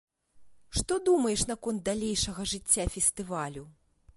Што думаеш наконт далейшага жыцця фестывалю?